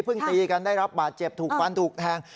เพิ่งตีกันได้รับบาดเจ็บถูกพันธุ์ถูกแทง